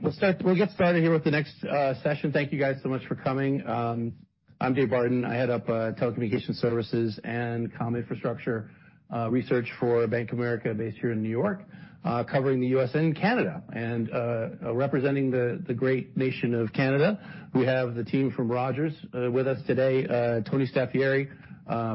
We'll get started here with the next session. Thank you, guys, so much for coming. I'm Dave Barden. I head up Telecommunication Services and Comm Infrastructure research for Bank of America, based here in New York, covering the U.S. and Canada. And representing the great nation of Canada, we have the team from Rogers with us today, Tony Staffieri,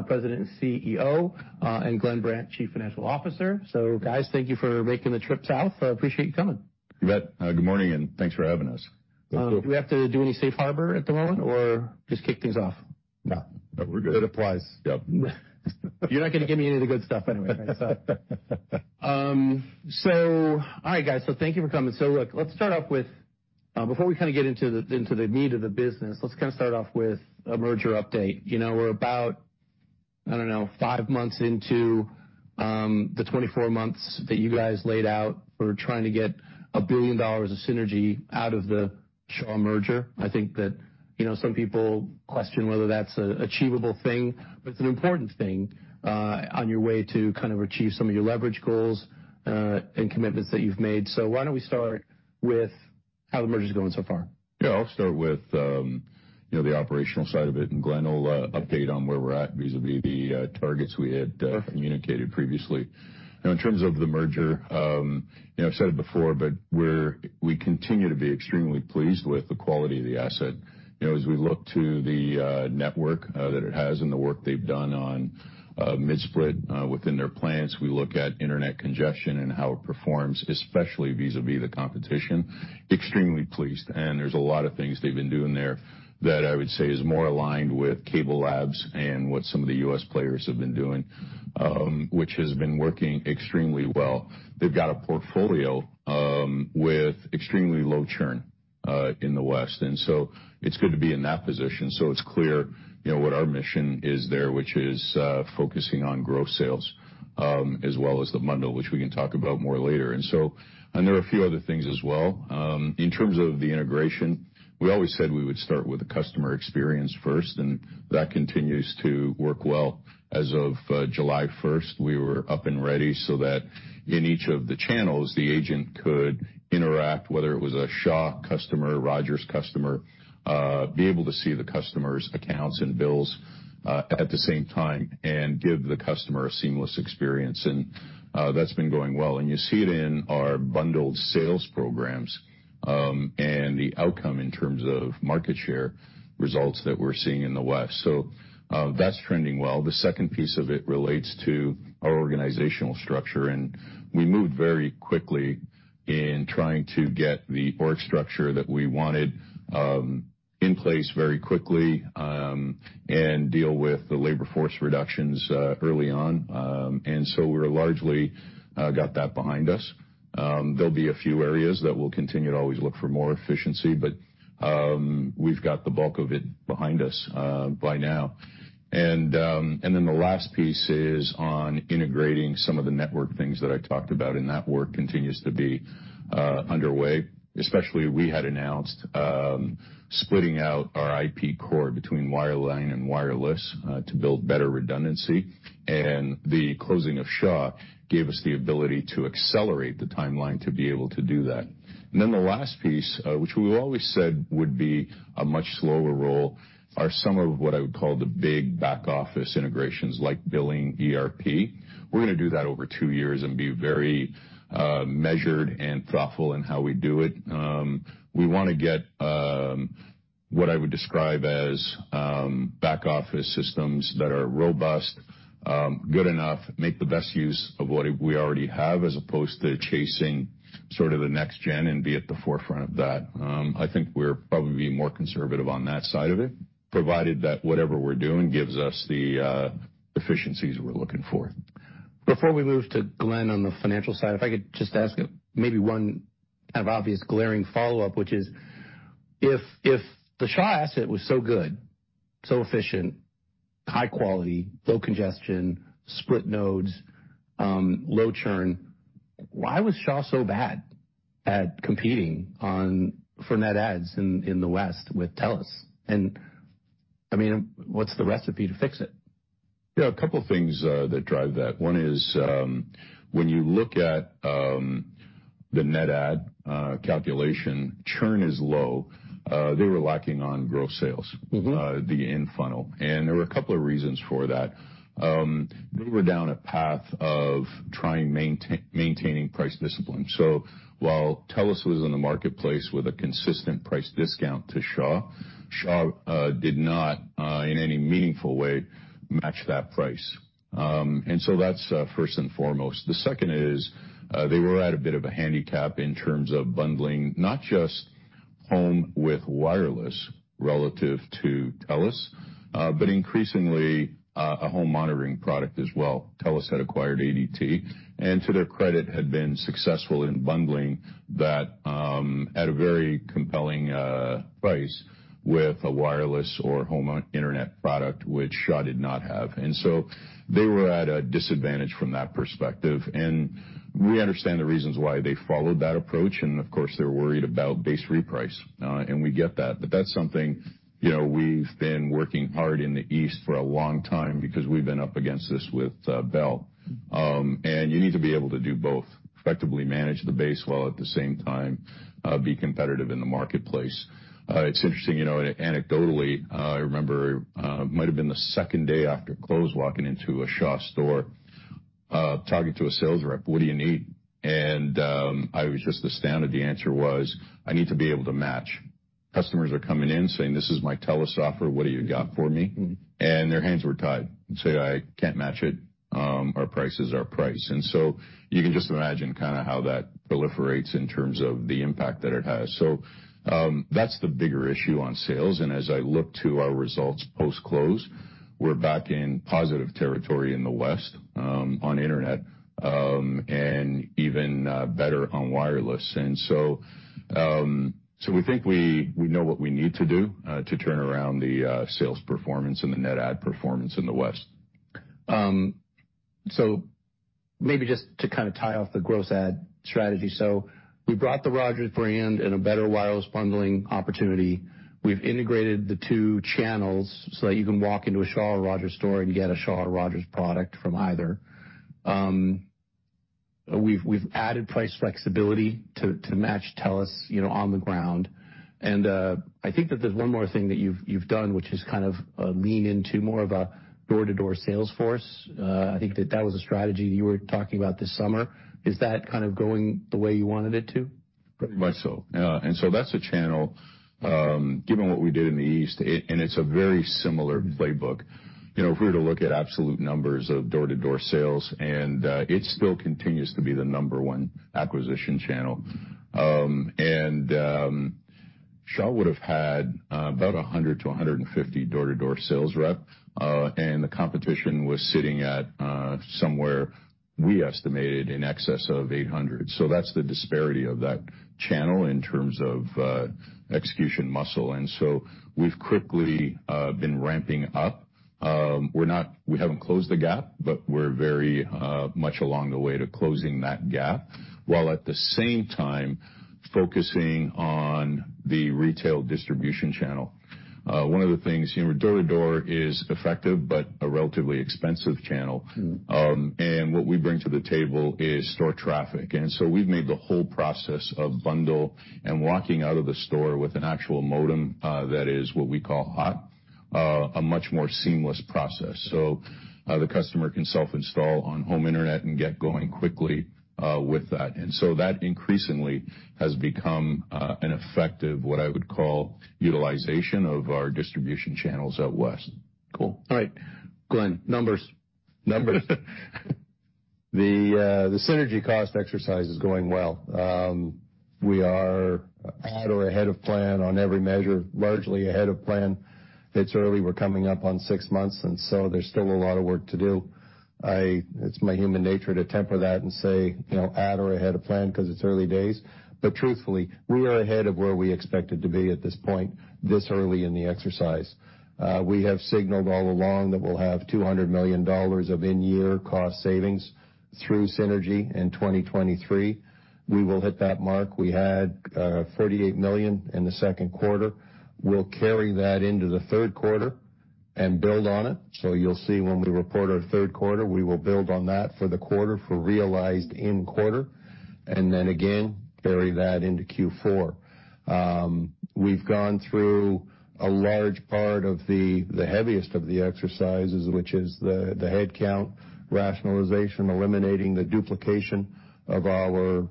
President and CEO, and Glenn Brandt, Chief Financial Officer. So guys, thank you for making the trip South. I appreciate you coming. You bet. Good morning, and thanks for having us. Do we have to do any safe harbor at the moment or just kick things off? No. No, we're good. It applies, yep. You're not gonna give me any of the good stuff anyway, so. So all right, guys, so thank you for coming. So look, let's start off with, before we kinda get into the, into the meat of the business, let's kinda start off with a merger update. You know, we're about, I don't know, five months into, the 24 months that you guys laid out for trying to get 1 billion dollars of synergy out of the Shaw merger. I think that, you know, some people question whether that's an achievable thing, but it's an important thing, on your way to kind of achieve some of your leverage goals, and commitments that you've made. So why don't we start with how the merger is going so far? Yeah, I'll start with, you know, the operational side of it, and Glenn will update on where we're at vis-à-vis the targets we had communicated previously. Now, in terms of the merger, you know, I've said it before, but we're, we continue to be extremely pleased with the quality of the asset. You know, as we look to the network that it has and the work they've done on mid-split within their plans, we look at internet congestion and how it performs, especially vis-à-vis the competition, extremely pleased. And there's a lot of things they've been doing there that I would say is more aligned with CableLabs and what some of the U.S. players have been doing, which has been working extremely well. They've got a portfolio with extremely low churn in the West, and so it's good to be in that position. So it's clear, you know, what our mission is there, which is focusing on growth sales as well as the bundle, which we can talk about more later. There are a few other things as well. In terms of the integration, we always said we would start with the customer experience first, and that continues to work well. As of July first, we were up and ready so that in each of the channels, the agent could interact, whether it was a Shaw customer, Rogers customer, be able to see the customer's accounts and bills at the same time and give the customer a seamless experience, and that's been going well. You see it in our bundled sales programs, and the outcome in terms of market share results that we're seeing in the West. That's trending well. The second piece of it relates to our organizational structure, and we moved very quickly in trying to get the org structure that we wanted in place very quickly, and deal with the labor force reductions early on. And so we're largely got that behind us. There'll be a few areas that we'll continue to always look for more efficiency, but we've got the bulk of it behind us by now. And then the last piece is on integrating some of the network things that I talked about, and that work continues to be underway. Especially, we had announced, splitting out our IP core between wireline and wireless, to build better redundancy, and the closing of Shaw gave us the ability to accelerate the timeline to be able to do that. And then the last piece, which we've always said would be a much slower roll, are some of what I would call the big back-office integrations like billing, ERP. We're gonna do that over two years and be very, measured and thoughtful in how we do it. We wanna get, what I would describe as, back-office systems that are robust, good enough, make the best use of what we already have, as opposed to chasing sort of the next gen and be at the forefront of that. I think we're probably being more conservative on that side of it, provided that whatever we're doing gives us the efficiencies we're looking for. Before we move to Glenn on the financial side, if I could just ask maybe one kind of obvious glaring follow-up, which is: if the Shaw asset was so good, so efficient, high quality, low congestion, split nodes, low churn, why was Shaw so bad at competing on for net adds in the West with TELUS? And, I mean, what's the recipe to fix it? Yeah, a couple of things that drive that. One is, when you look at the net add calculation, churn is low. They were lacking on growth sales- Mm-hmm. The in-funnel, and there were a couple of reasons for that. We were down a path of trying to maintain price discipline. So while TELUS was in the marketplace with a consistent price discount to Shaw, Shaw did not, in any meaningful way, match that price. And so that's first and foremost. The second is, they were at a bit of a handicap in terms of bundling, not just home with wireless relative to TELUS, but increasingly a home monitoring product as well. TELUS had acquired ADT, and to their credit, had been successful in bundling that at a very compelling price with a wireless or home internet product, which Shaw did not have. And so they were at a disadvantage from that perspective. We understand the reasons why they followed that approach, and of course, they're worried about base reprice, and we get that. But that's something, you know, we've been working hard in the East for a long time because we've been up against this with Bell. And you need to be able to do both, effectively manage the base, while at the same time, be competitive in the marketplace. It's interesting, you know, anecdotally, I remember, might have been the second day after close, walking into a Shaw store, talking to a sales rep: "What do you need?" And, I was just astounded. The answer was: "I need to be able to match. Customers are coming in saying, 'This is my TELUS offer. What do you got for me?' Mm-hmm. Their hands were tied and say, "I can't match it. Our prices are price." So you can just imagine kind of how that proliferates in terms of the impact that it has. That's the bigger issue on sales, and as I look to our results post-close, we're back in positive territory in the West on internet and even better on wireless. So we think we know what we need to do to turn around the sales performance and the net add performance in the West. So maybe just to kind of tie off the gross add strategy. So we brought the Rogers brand and a better wireless bundling opportunity. We've integrated the two channels so that you can walk into a Shaw or Rogers store and get a Shaw or Rogers product from either. We've added price flexibility to match TELUS, you know, on the ground. And I think that there's one more thing that you've done, which is kind of lean into more of a door-to-door sales force. I think that that was a strategy you were talking about this summer. Is that kind of going the way you wanted it to? Much so. And so that's a channel, given what we did in the East, and it's a very similar playbook. You know, if we were to look at absolute numbers of door-to-door sales, and it still continues to be the number one acquisition channel. And Shaw would've had about 100-150 door-to-door sales rep, and the competition was sitting at somewhere we estimated in excess of 800. So that's the disparity of that channel in terms of execution muscle. And so we've quickly been ramping up. We're not, we haven't closed the gap, but we're very much along the way to closing that gap, while at the same time, focusing on the retail distribution channel. One of the things, you know, door-to-door is effective, but a relatively expensive channel. Mm-hmm. And what we bring to the table is store traffic, and so we've made the whole process of bundle and walking out of the store with an actual modem, that is what we call hot, a much more seamless process. So, the customer can self-install on home internet and get going quickly, with that. And so that increasingly has become, an effective, what I would call, utilization of our distribution channels out West. Cool. All right, Glenn, numbers. Numbers. The synergy cost exercise is going well. We are at or ahead of plan on every measure, largely ahead of plan. It's early, we're coming up on six months, and so there's still a lot of work to do. It's my human nature to temper that and say, you know, at or ahead of plan, 'cause it's early days. But truthfully, we are ahead of where we expected to be at this point, this early in the exercise. We have signaled all along that we'll have 200 million dollars of in-year cost savings through synergy in 2023. We will hit that mark. We had 48 million in the second quarter. We'll carry that into the third quarter and build on it. So you'll see when we report our third quarter, we will build on that for the quarter for realized in quarter, and then again, carry that into Q4. We've gone through a large part of the heaviest of the exercises, which is the headcount rationalization, eliminating the duplication of our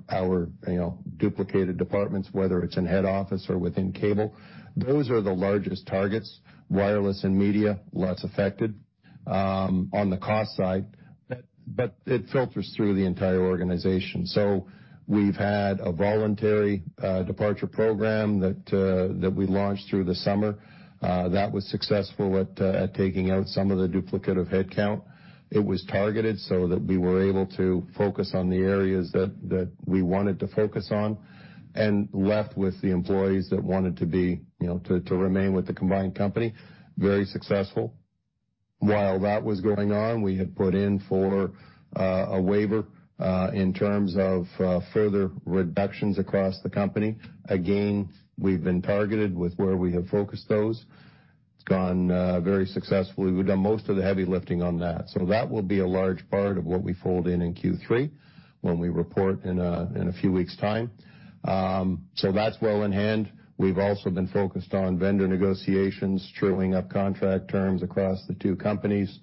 you know duplicated departments, whether it's in head office or within cable. Those are the largest targets, wireless and media, less affected on the cost side, but it filters through the entire organization. So we've had a voluntary departure program that we launched through the summer. That was successful at taking out some of the duplicative headcount. It was targeted so that we were able to focus on the areas that we wanted to focus on, and left with the employees that wanted to be, you know, to remain with the combined company. Very successful. While that was going on, we had put in for a waiver in terms of further reductions across the company. Again, we've been targeted with where we have focused those. It's gone very successfully. We've done most of the heavy lifting on that. So that will be a large part of what we fold in in Q3, when we report in a few weeks' time. So that's well in hand. We've also been focused on vendor negotiations, truing up contract terms across the two companies.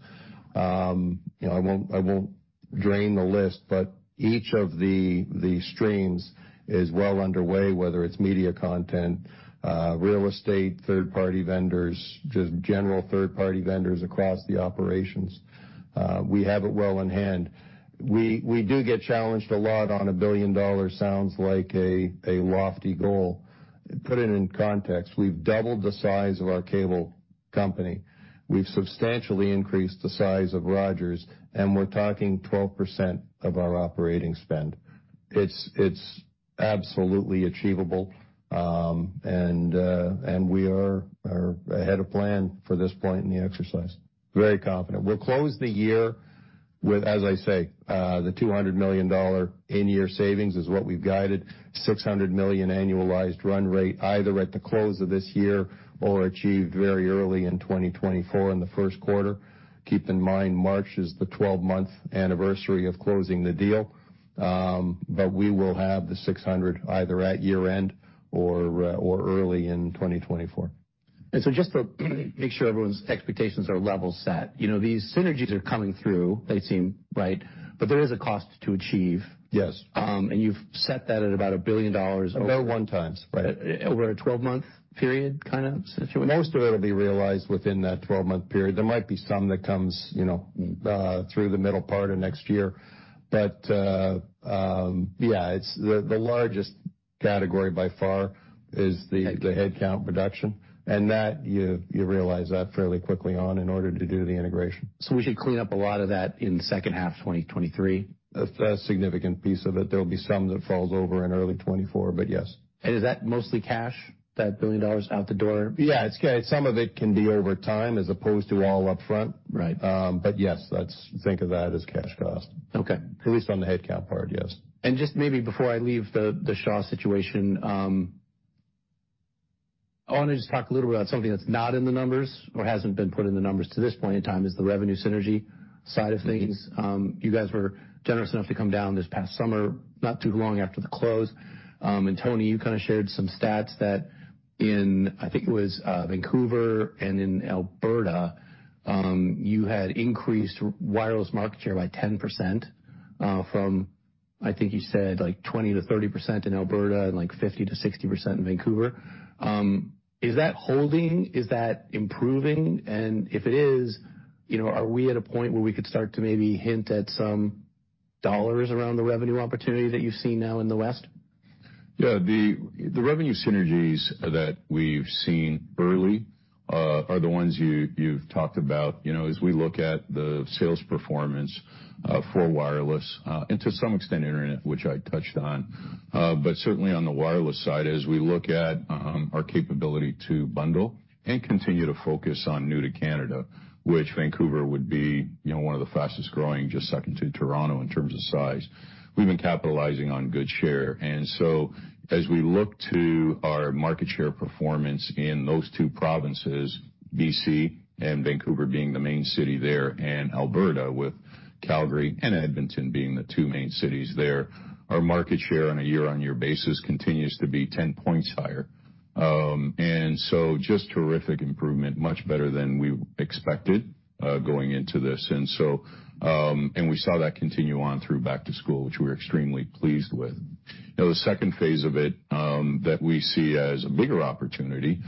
You know, I won't, I won't drain the list, but each of the streams is well underway, whether it's media content, real estate, third-party vendors, just general third-party vendors across the operations. We have it well in hand. We do get challenged a lot on 1 billion dollars, sounds like a lofty goal. Put it in context, we've doubled the size of our cable company. We've substantially increased the size of Rogers, and we're talking 12% of our operating spend. It's absolutely achievable. We are ahead of plan for this point in the exercise. Very confident. We'll close the year with, as I say, the 200 million dollar in-year savings is what we've guided, 600 million annualized run rate, either at the close of this year or achieved very early in 2024 in the first quarter. Keep in mind, March is the 12-month anniversary of closing the deal, but we will have the 600 either at year-end or early in 2024. Just to make sure everyone's expectations are level set, you know, these synergies are coming through, they seem right, but there is a cost to achieve. Yes. You've set that at about 1 billion. They're 1x, right? Over a 12-month period, kind of situation? Most of it will be realized within that 12-month period. There might be some that comes, you know, through the middle part of next year, but, yeah, it's the largest category by far is the- Headcount. the headcount reduction, and that you realize that fairly quickly in order to do the integration. We should clean up a lot of that in the second half of 2023? A significant piece of it. There will be some that falls over in early 2024, but yes. Is that mostly cash, that 1 billion dollars out the door? Yeah, it's some of it can be over time as opposed to all upfront. Right. Yes, let's think of that as cash cost. Okay. At least on the headcount part, yes. Just maybe before I leave the Shaw situation, I want to just talk a little bit about something that's not in the numbers or hasn't been put in the numbers to this point in time, the revenue synergy side of things. Mm-hmm. You guys were generous enough to come down this past summer, not too long after the close. And Tony, you kind of shared some stats that in, I think it was, Vancouver and in Alberta, you had increased wireless market share by 10%, from, I think you said, like, 20%-30% in Alberta and like 50%-60% in Vancouver. Is that holding, is that improving? And if it is, you know, are we at a point where we could start to maybe hint at some dollars around the revenue opportunity that you've seen now in the West? Yeah, the, the revenue synergies that we've seen early, are the ones you, you've talked about. You know, as we look at the sales performance, for wireless, and to some extent, internet, which I touched on, but certainly on the wireless side, as we look at, our capability to bundle and continue to focus on new to Canada, which Vancouver would be, you know, one of the fastest-growing, just second to Toronto in terms of size, we've been capitalizing on good share. And so as we look to our market share performance in those two provinces, BC and Vancouver being the main city there, and Alberta, with Calgary and Edmonton being the two main cities there, our market share on a year-on-year basis continues to be 10 points higher. And so just terrific improvement, much better than we expected, going into this. And so, we saw that continue on through back to school, which we're extremely pleased with. Now, the second phase of it, that we see as a bigger opportunity,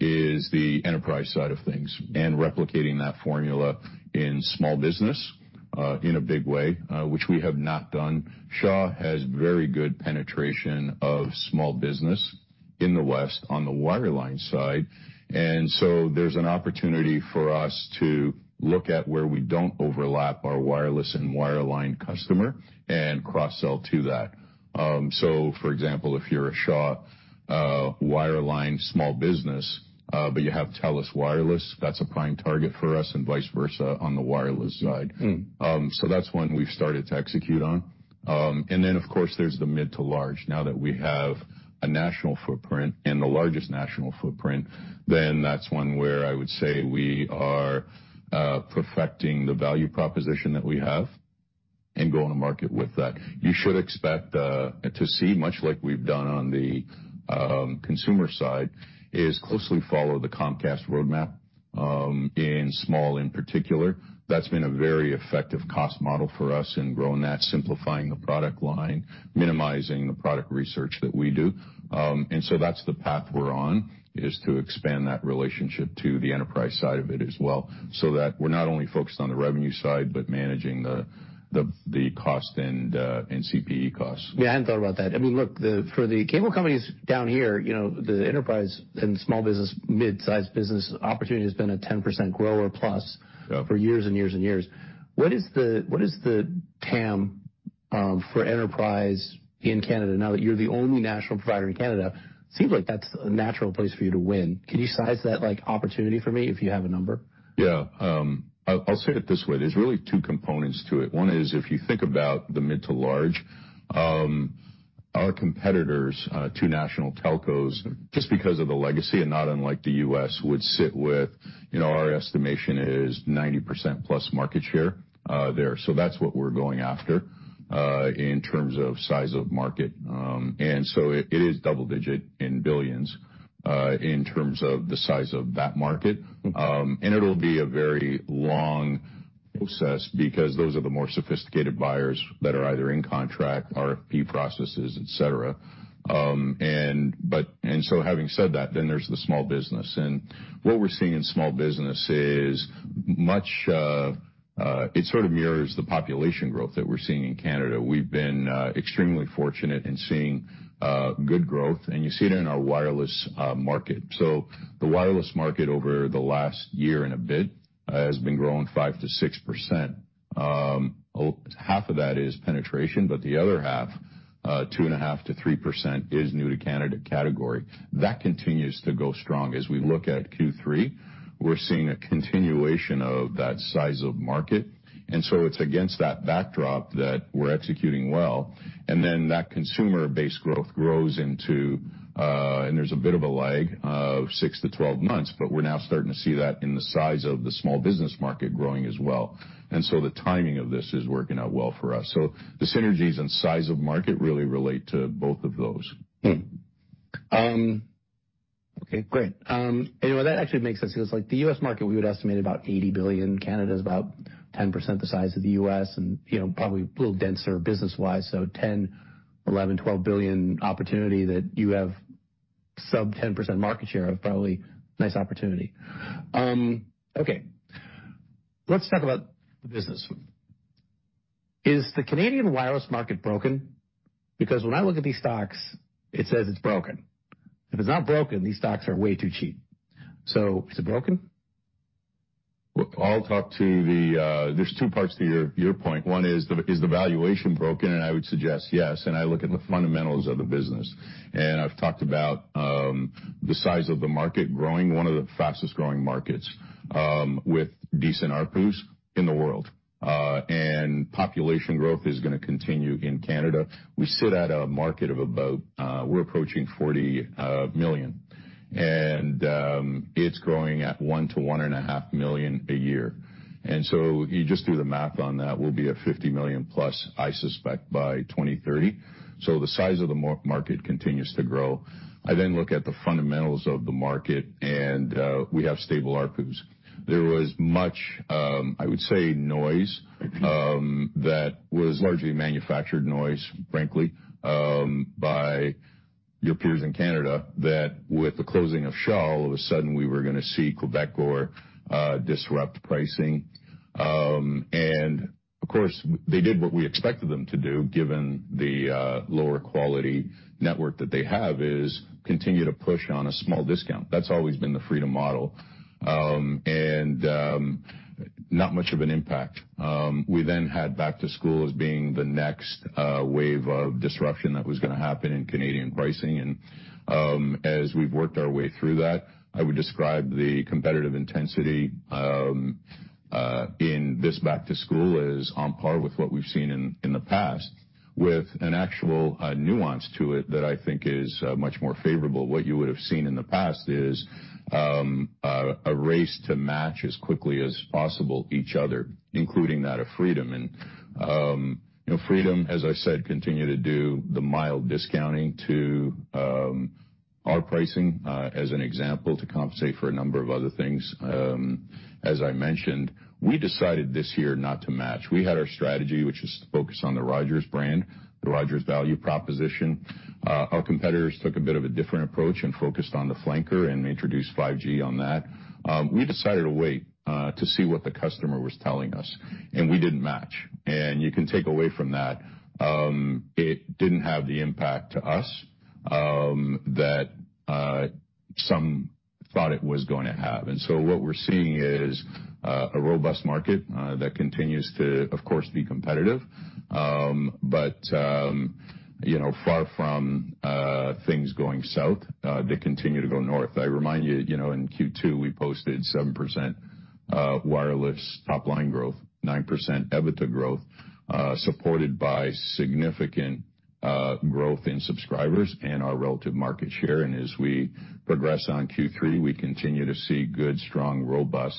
is the enterprise side of things and replicating that formula in small business, in a big way, which we have not done. Shaw has very good penetration of small business in the West on the wireline side, and so there's an opportunity for us to look at where we don't overlap our wireless and wireline customer and cross-sell to that. So for example, if you're a Shaw, wireline small business, but you have TELUS Wireless, that's a prime target for us, and vice versa on the wireless side. Mm. So that's one we've started to execute on. And then, of course, there's the mid to large. Now that we have a national footprint and the largest national footprint, then that's one where I would say we are perfecting the value proposition that we have and go on to market with that. You should expect to see, much like we've done on the consumer side, is closely follow the Comcast roadmap, in small in particular. That's been a very effective cost model for us in growing that, simplifying the product line, minimizing the product research that we do. And so that's the path we're on, is to expand that relationship to the enterprise side of it as well, so that we're not only focused on the revenue side, but managing the cost and CPE costs. Yeah, I hadn't thought about that. I mean, look, for the cable companies down here, you know, the enterprise and small business, mid-sized business opportunity has been a 10% grower plus- Yeah -for years and years and years. What is the, what is the TAM, for enterprise in Canada now that you're the only national provider in Canada? Seems like that's a natural place for you to win. Can you size that, like, opportunity for me if you have a number? Yeah. I'll, I'll say it this way: there's really two components to it. One is, if you think about the mid-to-large, our competitors, two national telcos, just because of the legacy and not unlike the U.S., would sit with, you know, our estimation is 90%+ market share, there. So that's what we're going after, in terms of size of market. And so it, it is double-digit billions, in terms of the size of that market. And it'll be a very long process because those are the more sophisticated buyers that are either in contract, RFP processes, et cetera. And but-- and so having said that, then there's the small business. And what we're seeing in small business is much... It sort of mirrors the population growth that we're seeing in Canada. We've been extremely fortunate in seeing good growth, and you see it in our wireless market. So the wireless market over the last year and a bit has been growing 5%-6%. Half of that is penetration, but the other half, 2.5%-3%, is new to Canada category. That continues to go strong. As we look at Q3, we're seeing a continuation of that size of market, and so it's against that backdrop that we're executing well. And then that consumer base growth grows into, and there's a bit of a lag of six-12 months, but we're now starting to see that in the size of the small business market growing as well. And so the timing of this is working out well for us. So the synergies and size of market really relate to both of those. Okay, great. Anyway, that actually makes sense because, like, the U.S. market, we would estimate about $80 billion. Canada is about 10% the size of the U.S. and, you know, probably a little denser business-wise. So 10 billion-12 billion opportunity that you have sub-10% market share of, probably nice opportunity. Okay, let's talk about the business. Is the Canadian wireless market broken? Because when I look at these stocks, it says it's broken. If it's not broken, these stocks are way too cheap. So is it broken? Well, I'll talk to the. There's two parts to your, your point. One is the, is the valuation broken? And I would suggest, yes, and I look at the fundamentals of the business. And I've talked about, the size of the market growing, one of the fastest-growing markets, with decent ARPUs in the world. And population growth is going to continue in Canada. We sit at a market of about, we're approaching 40 million, and, it's growing at 1-1.5 million a year. And so you just do the math on that, we'll be a 50 million+, I suspect, by 2030. So the size of the market continues to grow. I then look at the fundamentals of the market, and, we have stable ARPUs. There was much, I would say, noise, that was largely manufactured noise, frankly, by your peers in Canada, that with the closing of Shaw, all of a sudden, we were going to see Quebecor, disrupt pricing. And of course, they did what we expected them to do, given the, lower quality network that they have, is continue to push on a small discount. That's always been the Freedom model, and, not much of an impact. We then had back to school as being the next, wave of disruption that was going to happen in Canadian pricing. As we've worked our way through that, I would describe the competitive intensity in this back to school is on par with what we've seen in the past, with an actual nuance to it that I think is much more favorable. What you would have seen in the past is a race to match as quickly as possible each other, including that of Freedom. You know, Freedom, as I said, continue to do the mild discounting to our pricing, as an example, to compensate for a number of other things. As I mentioned, we decided this year not to match. We had our strategy, which is to focus on the Rogers brand, the Rogers value proposition. Our competitors took a bit of a different approach and focused on the flanker and introduced 5G on that. We decided to wait to see what the customer was telling us, and we didn't match. You can take away from that, it didn't have the impact to us that some thought it was going to have. So what we're seeing is a robust market that continues to, of course, be competitive, but you know, far from things going South, they continue to go north. I remind you, you know, in Q2, we posted 7% wireless top line growth, 9% EBITDA growth, supported by significant growth in subscribers and our relative market share. As we progress on Q3, we continue to see good, strong, robust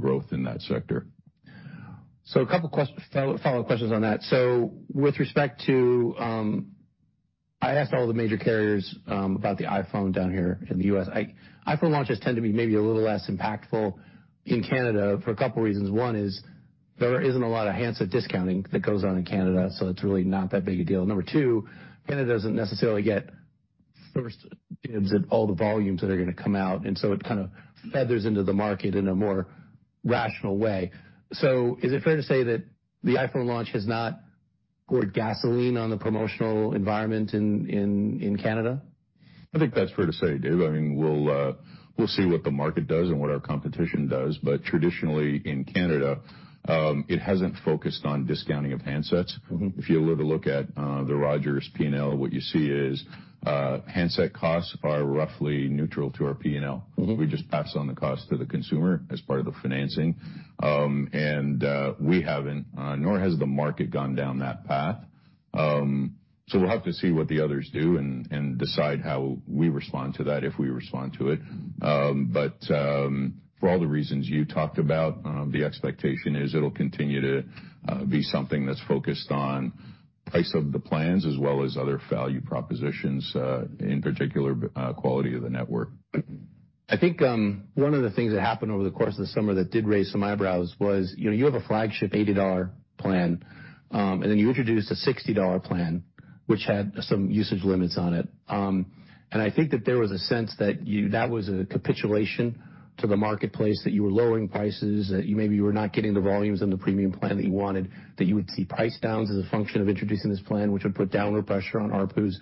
growth in that sector. So a couple follow-up questions on that. So with respect to, I asked all the major carriers about the iPhone down here in the U.S. iPhone launches tend to be maybe a little less impactful in Canada for a couple reasons. One is there isn't a lot of handset discounting that goes on in Canada, so it's really not that big a deal. Number two, Canada doesn't necessarily get first dibs at all the volumes that are going to come out, and so it kind of feathers into the market in a more rational way. So is it fair to say that the iPhone launch has not poured gasoline on the promotional environment in Canada? I think that's fair to say, Dave. I mean, we'll, we'll see what the market does and what our competition does. But traditionally, in Canada, it hasn't focused on discounting of handsets. Mm-hmm. If you were to look at the Rogers P&L, what you see is handset costs are roughly neutral to our P&L. Mm-hmm. We just pass on the cost to the consumer as part of the financing. We haven't, nor has the market gone down that path. We'll have to see what the others do and decide how we respond to that, if we respond to it. For all the reasons you talked about, the expectation is it'll continue to be something that's focused on price of the plans, as well as other value propositions, in particular, quality of the network. I think, one of the things that happened over the course of the summer that did raise some eyebrows was, you know, you have a flagship 80 dollar plan, and then you introduced a 60 dollar plan, which had some usage limits on it. And I think that there was a sense that that was a capitulation to the marketplace, that you were lowering prices, that you maybe were not getting the volumes in the premium plan that you wanted, that you would see price downs as a function of introducing this plan, which would put downward pressure on ARPUs.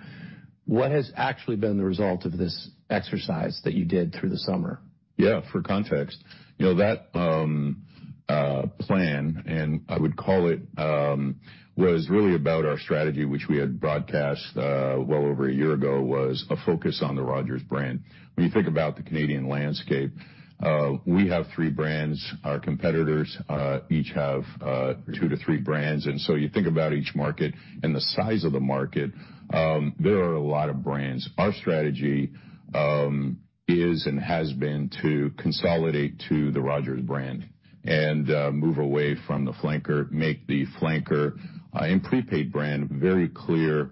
What has actually been the result of this exercise that you did through the summer? Yeah, for context, you know, that, plan, and I would call it, was really about our strategy, which we had broadcast, well over a year ago, was a focus on the Rogers brand. When you think about the Canadian landscape, we have three brands. Our competitors, each have, two to three brands, and so you think about each market and the size of the market, there are a lot of brands. Our strategy, is and has been to consolidate to the Rogers brand and, move away from the flanker, make the flanker and prepaid brand very clear,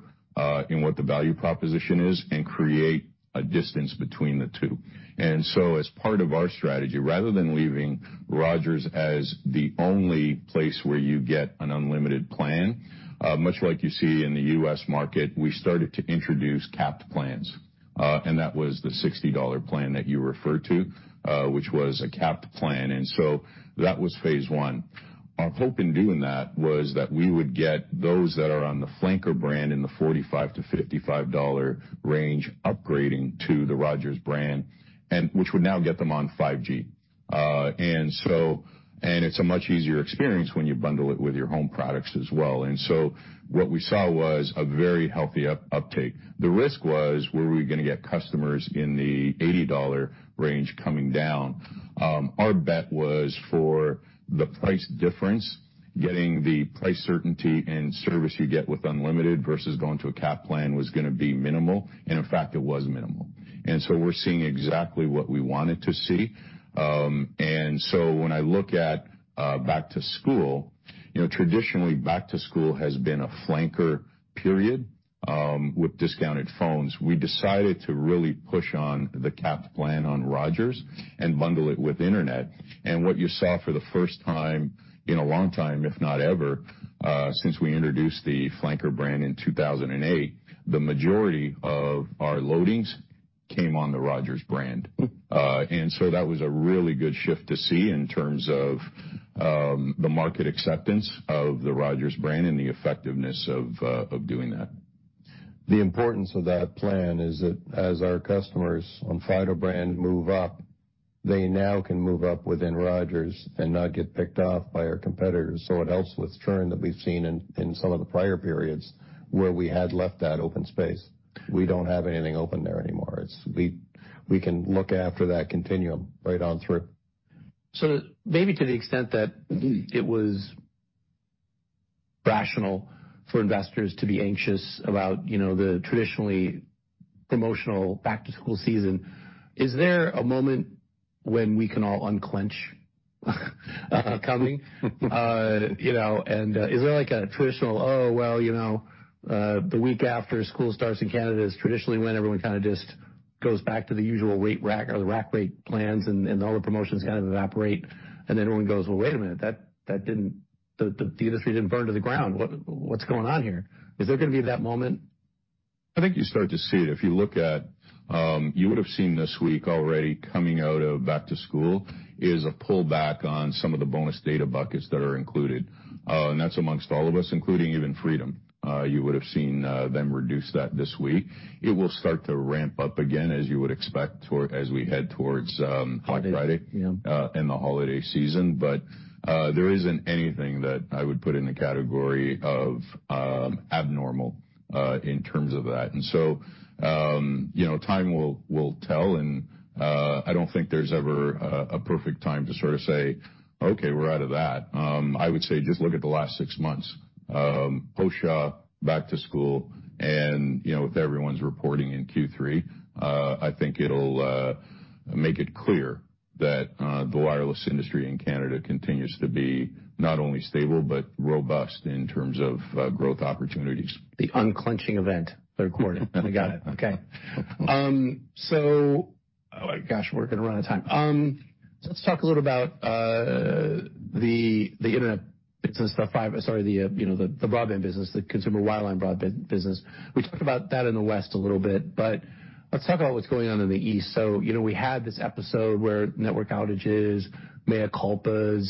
in what the value proposition is and create a distance between the two. And so as part of our strategy, rather than leaving Rogers as the only place where you get an unlimited plan, much like you see in the U.S. market, we started to introduce capped plans, and that was the 60 dollar plan that you referred to, which was a capped plan. And so that was phase one. Our hope in doing that was that we would get those that are on the flanker brand in the 45-55 dollar range, upgrading to the Rogers brand and which would now get them on 5G. And so it's a much easier experience when you bundle it with your home products as well. And so what we saw was a very healthy uptake. The risk was, were we gonna get customers in the 80 dollar range coming down? Our bet was for the price difference, getting the price certainty and service you get with unlimited versus going to a capped plan was gonna be minimal, and in fact, it was minimal. And so we're seeing exactly what we wanted to see. And so when I look at back to school, you know, traditionally, back to school has been a flanker period with discounted phones. We decided to really push on the capped plan on Rogers and bundle it with internet. And what you saw for the first time in a long time, if not ever, since we introduced the flanker brand in 2008, the majority of our loadings came on the Rogers brand. And so that was a really good shift to see in terms of the market acceptance of the Rogers brand and the effectiveness of doing that. The importance of that plan is that as our customers on Fido brand move up, they now can move up within Rogers and not get picked off by our competitors. So it helps with churn that we've seen in some of the prior periods where we had left that open space. We don't have anything open there anymore. It's we can look after that continuum right on through. So maybe to the extent that it was rational for investors to be anxious about, you know, the traditionally promotional back-to-school season, is there a moment when we can all unclench coming? You know, and is there like a traditional, "Oh, well, you know, the week after school starts in Canada is traditionally when everyone kind of just goes back to the usual rate rack or the rack rate plans, and all the promotions kind of evaporate, and everyone goes, "Well, wait a minute. That didn't... The industry didn't burn to the ground. What's going on here?" Is there gonna be that moment? I think you start to see it. If you look at, you would have seen this week already coming out of back to school, is a pullback on some of the bonus data buckets that are included. And that's amongst all of us, including even Freedom. You would have seen, them reduce that this week. It will start to ramp up again, as you would expect, toward—as we head towards, Black Friday- Yeah. and the holiday season. But, there isn't anything that I would put in the category of abnormal in terms of that. And so, you know, time will tell, and I don't think there's ever a perfect time to sort of say, "Okay, we're out of that." I would say, just look at the last six months. Post-Shaw, back to school, and, you know, with everyone's reporting in Q3, I think it'll make it clear that the wireless industry in Canada continues to be not only stable, but robust in terms of growth opportunities. The luncheon event, they're recording. I got it. Okay. Oh, my gosh, we're gonna run out of time. Let's talk a little about the internet business, the fiber, sorry, the, you know, the broadband business, the consumer wireline broadband business. We talked about that in the West a little bit, but let's talk about what's going on in the East. So, you know, we had this episode where network outages, mea culpas,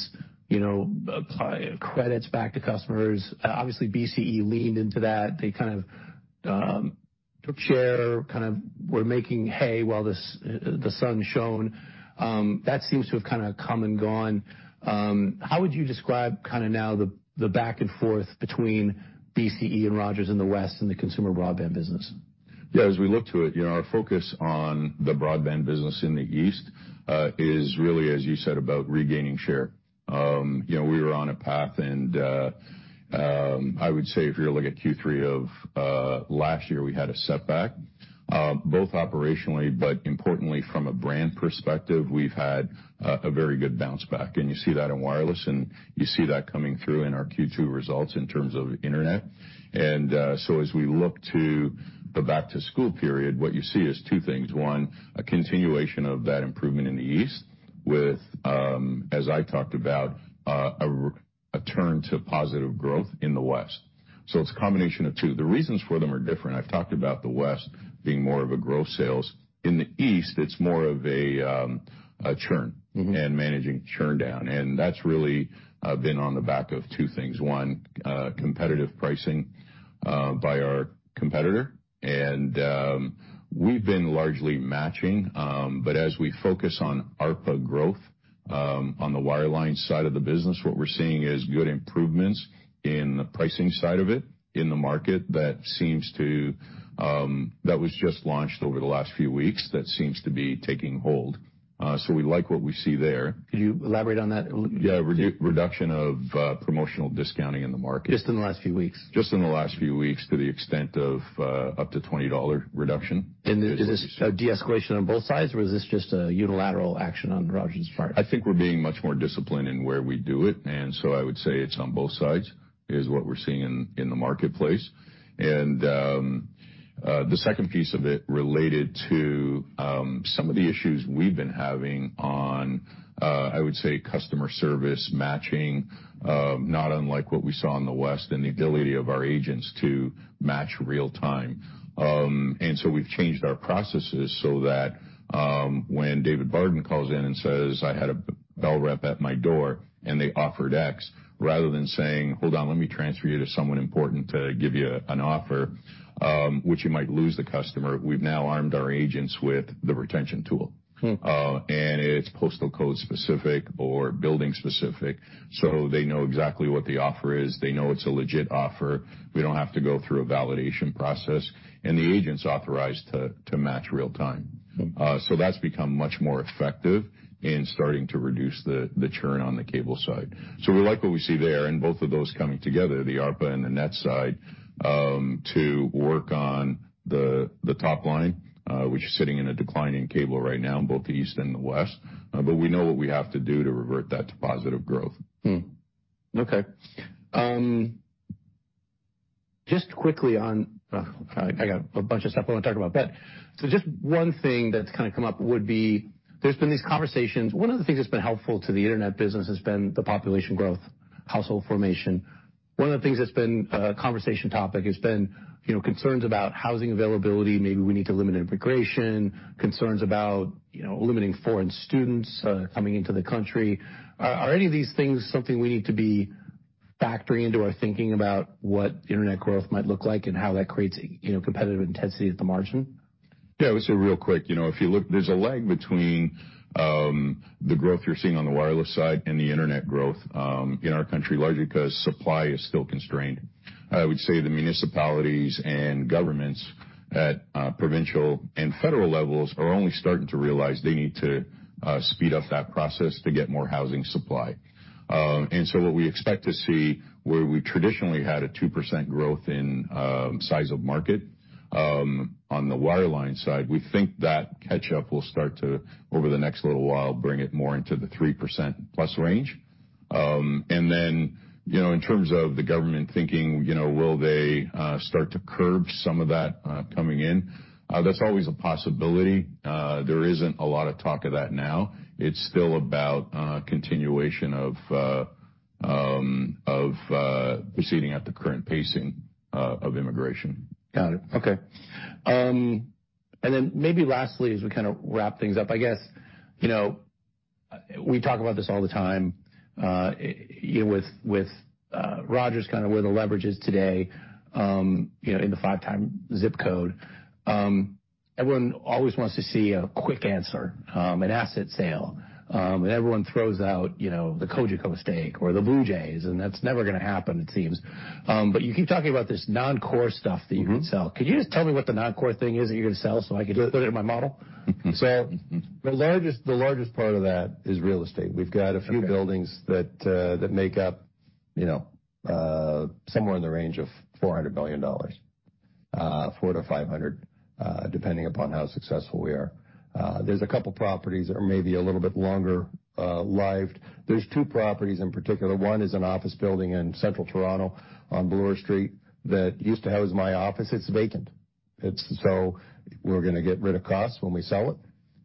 you know, apply credits back to customers. Obviously, BCE leaned into that. They kind of took share, kind of were making hay while the sun shone. That seems to have kind of come and gone. How would you describe kind of now the back and forth between BCE and Rogers in the West and the consumer broadband business? Yeah, as we look to it, you know, our focus on the broadband business in the East is really, as you said, about regaining share. You know, we were on a path, and I would say if you look at Q3 of last year, we had a setback both operationally, but importantly, from a brand perspective, we've had a very good bounce back. And you see that in wireless, and you see that coming through in our Q2 results in terms of internet. And so as we look to the back to school period, what you see is two things. One, a continuation of that improvement in the East with, as I talked about, a turn to positive growth in the West. So it's a combination of two. The reasons for them are different. I've talked about the West being more of a growth sales. In the East, it's more of a, a churn- Mm-hmm. -and managing churn down, and that's really been on the back of two things. One, competitive pricing by our competitor, and we've been largely matching, but as we focus on ARPA growth—on the wireline side of the business, what we're seeing is good improvements in the pricing side of it, in the market that was just launched over the last few weeks, that seems to be taking hold. So we like what we see there. Could you elaborate on that a little? Yeah. Reduction of promotional discounting in the market. Just in the last few weeks? Just in the last few weeks, to the extent of up to 20 dollar reduction. Is this a de-escalation on both sides, or is this just a unilateral action on Rogers' part? I think we're being much more disciplined in where we do it, and so I would say it's on both sides, is what we're seeing in the marketplace. And the second piece of it related to some of the issues we've been having on, I would say, customer service matching, not unlike what we saw in the West, and the ability of our agents to match real time. And so we've changed our processes so that when David Barden calls in and says, "I had a Bell rep at my door, and they offered X," rather than saying, "Hold on, let me transfer you to someone important to give you an offer," which you might lose the customer, we've now armed our agents with the retention tool. Hmm. It's postal code specific or building specific, so they know exactly what the offer is. They know it's a legit offer. We don't have to go through a validation process, and the agent's authorized to match real time. Hmm. So that's become much more effective in starting to reduce the churn on the cable side. So we like what we see there, and both of those coming together, the ARPA and the net side, to work on the top line, which is sitting in a declining cable right now in both the East and the West, but we know what we have to do to revert that to positive growth. Okay. Just quickly on, I got a bunch of stuff I want to talk about, but so just one thing that's kind of come up would be, there's been these conversations. One of the things that's been helpful to the internet business has been the population growth, household formation. One of the things that's been a conversation topic has been, you know, concerns about housing availability. Maybe we need to limit immigration. Concerns about, you know, limiting foreign students coming into the country. Are any of these things something we need to be factoring into our thinking about what internet growth might look like and how that creates, you know, competitive intensity at the margin? Yeah. So real quick, you know, if you look, there's a lag between the growth you're seeing on the wireless side and the internet growth in our country, largely because supply is still constrained. I would say the municipalities and governments at provincial and federal levels are only starting to realize they need to speed up that process to get more housing supply. And so what we expect to see, where we traditionally had a 2% growth in size of market on the wireline side, we think that catch up will start to, over the next little while, bring it more into the 3%+ range. And then, you know, in terms of the government thinking, you know, will they start to curb some of that coming in? That's always a possibility. There isn't a lot of talk of that now. It's still about continuation of proceeding at the current pacing of immigration. Got it. Okay. And then maybe lastly, as we kind of wrap things up, I guess, you know, we talk about this all the time, you know, with Rogers, kind of where the leverage is today, you know, in the five-time zip code. Everyone always wants to see a quick answer, an asset sale, and everyone throws out, you know, the Cogeco stake or the Blue Jays, and that's never gonna happen, it seems. But you keep talking about this non-core stuff that you could sell. Could you just tell me what the non-core thing is that you're gonna sell so I can put it in my model? So the largest part of that is real estate. We've got a few buildings that make up, you know, somewhere in the range of 400 million dollars, four to five hundred, depending upon how successful we are. There's a couple properties that are maybe a little bit longer lived. There's two properties in particular. One is an office building in central Toronto, on Bloor Street, that used to house my office. It's vacant. It's so we're gonna get rid of costs when we sell it,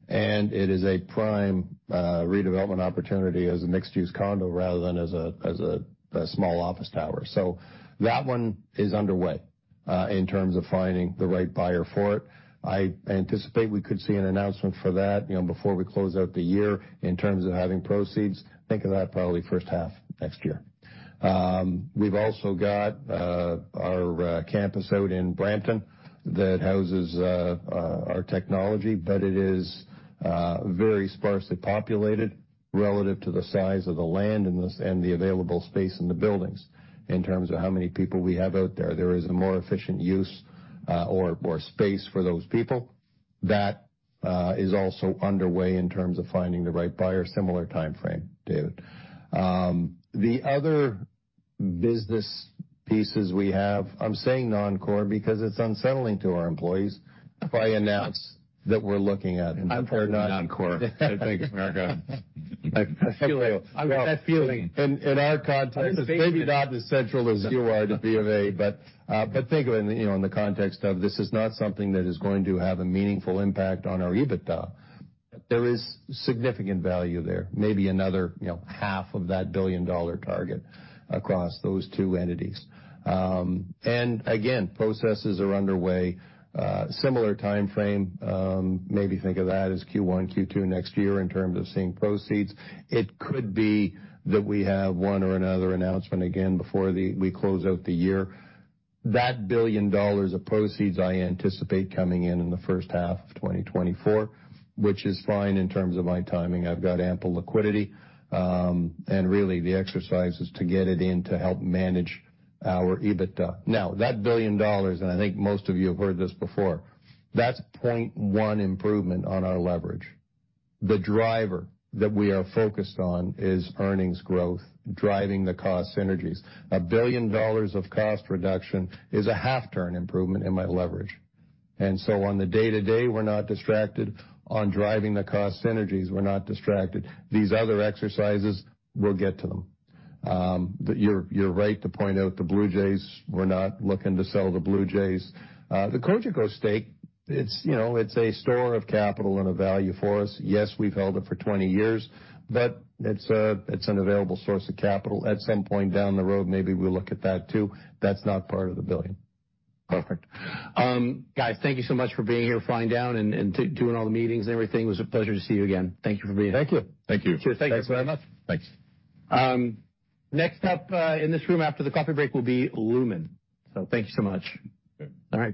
and it is a prime redevelopment opportunity as a mixed-use condo rather than as a small office tower. So that one is underway in terms of finding the right buyer for it. I anticipate we could see an announcement for that, you know, before we close out the year. In terms of having proceeds, think of that probably first half next year. We've also got our campus out in Brampton, that houses our technology, but it is very sparsely populated relative to the size of the land and the available space in the buildings, in terms of how many people we have out there. There is a more efficient use, or, more space for those people. That is also underway in terms of finding the right buyer. Similar timeframe, David. The other business pieces we have, I'm saying non-core, because it's unsettling to our employees if I announce that we're looking at it. Non-core. I think America. I feel you. I've got that feeling. In our context, it may be not as central as you are to BofA, but think of it, you know, in the context of this is not something that is going to have a meaningful impact on our EBITDA. There is significant value there, maybe another, you know, half of that 1 billion dollar target across those two entities. Again, processes are underway, similar timeframe, maybe think of that as Q1, Q2 next year in terms of seeing proceeds. It could be that we have one or another announcement again before we close out the year. That 1 billion dollars of proceeds I anticipate coming in, in the first half of 2024, which is fine in terms of my timing. I've got ample liquidity, and really, the exercise is to get it in to help manage our EBITDA. Now, 1 billion dollars, and I think most of you have heard this before, that's one improvement on our leverage. The driver that we are focused on is earnings growth, driving the cost synergies. 1 billion dollars of cost reduction is a half turn improvement in my leverage. And so on the day-to-day, we're not distracted. On driving the cost synergies, we're not distracted. These other exercises, we'll get to them. But you're, you're right to point out the Blue Jays. We're not looking to sell the Blue Jays. The Cogeco stake, it's, you know, it's a store of capital and a value for us. Yes, we've held it for 20 years, but it's a, it's an available source of capital. At some point down the road, maybe we'll look at that, too. That's not part of the 1 billion. Perfect. Guys, thank you so much for being here, flying down and doing all the meetings and everything. It was a pleasure to see you again. Thank you for being here. Thank you. Thank you. Cheers. Thank you very much. Thanks. Next up, in this room after the coffee break will be Lumen. So thank you so much. Okay. All right.